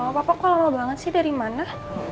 mama papa kok lama banget sih dari mana